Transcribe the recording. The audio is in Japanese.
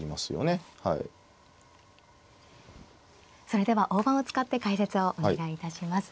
それでは大盤を使って解説をお願いいたします。